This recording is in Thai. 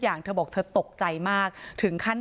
อย่างเธอบอกเธอตกใจมากถึงขั้น